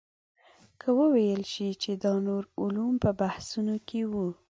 که وویل شي چې دا نور علوم په بحثونو کې وو.